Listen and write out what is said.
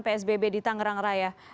psbb di tangerang raya